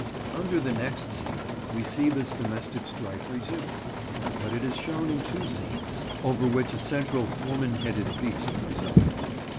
Under the next seat we see this domestic strife resumed, but it is shown in two scenes, over which a central woman headed beast presides.